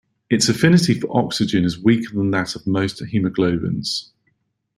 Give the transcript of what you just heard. Its affinity for oxygen is weaker than that of most hemoglobins.